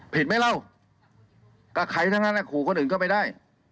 ผิดไหมแล้วกับใครทั้งคู่คนอื่นก็ไม่ได้